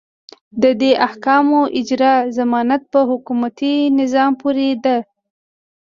د دې احکامو اجرا ضمانت په حکومتي نظام پورې ده.